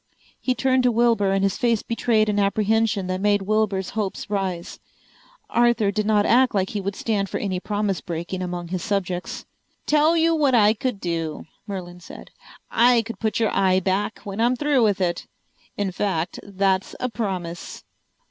He turned to Wilbur and his face betrayed an apprehension that made Wilbur's hopes rise. Arthur did not act like he would stand for any promise breaking among his subjects. "Tell you what I could do," Merlin said. "I could put your eye back when I'm through with it. In fact, that's a promise."